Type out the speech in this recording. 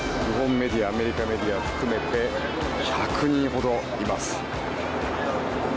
メディアアメリカメディア含めて１００人ほどいます。